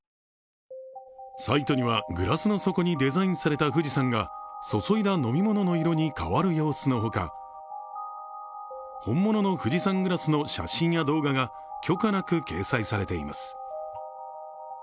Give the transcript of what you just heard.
サイトにはグラスの底にデザインされた富士山が、注いだ飲み物の色に変わるほか、変わる様子のほか本物の富士山グラスの写真や動画が許可なく掲載されています。